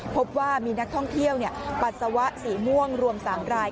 พบว่ามีนักท่องเที่ยวปัสสาวะสีม่วงรวม๓ราย